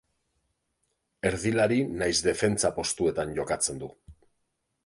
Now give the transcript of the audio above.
Erdilari nahiz defentsa postuetan jokatzen du.